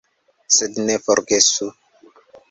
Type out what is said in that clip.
Sed ne forgesu!